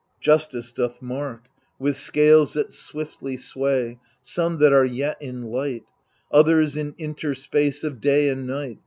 Justice doth mark, with scales that swiftly sway, Some that are yet in light ; Others in interspace of day and night.